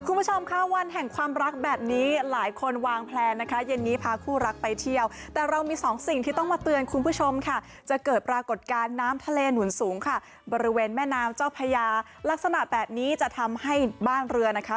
คุณผู้ชมค่ะวันแห่งความรักแบบนี้หลายคนวางแพลนนะคะเย็นนี้พาคู่รักไปเที่ยวแต่เรามีสองสิ่งที่ต้องมาเตือนคุณผู้ชมค่ะจะเกิดปรากฏการณ์น้ำทะเลหนุนสูงค่ะบริเวณแม่น้ำเจ้าพญาลักษณะแบบนี้จะทำให้บ้านเรือนะคะ